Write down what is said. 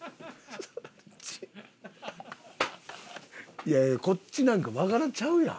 いやいやこっちなんか和柄ちゃうやん。